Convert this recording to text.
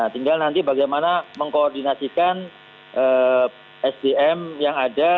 tinggal nanti bagaimana mengkoordinasikan sdm yang ada